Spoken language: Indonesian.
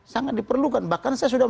sangat diperlukan bahkan saya sudah